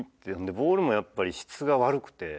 ボールもやっぱり質が悪くて。